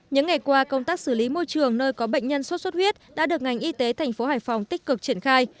những ngày qua công tác xử lý môi trường nơi có bệnh nhân xuất xuất huyết đã được ngành y tế tp hcm tích cực triển khai